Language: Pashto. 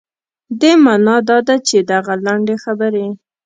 دې معنا دا ده چې دغه لنډې خبرې.